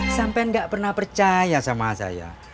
sampen gak pernah percaya sama saya